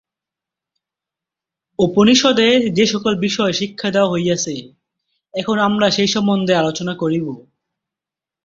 উপনিষদে যে-সকল বিষয় শিক্ষা দেওয়া হইয়াছে, এখন আমরা সে সম্বন্ধে আলোচনা করিব।